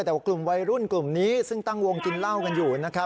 แต่ว่ากลุ่มวัยรุ่นกลุ่มนี้ซึ่งตั้งวงกินเหล้ากันอยู่นะครับ